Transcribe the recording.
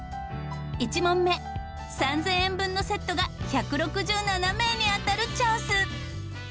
１問目３０００円分のセットが１６７名に当たるチャンス！